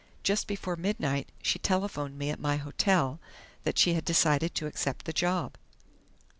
Just before midnight she telephoned me at my hotel that she had decided to accept the job."